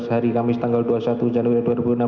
hari kamis tanggal dua puluh satu januari dua ribu enam belas